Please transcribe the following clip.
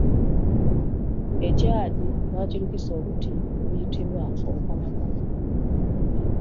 Ekyagi bakirukisa obuti obuyitibwa obukomakoma.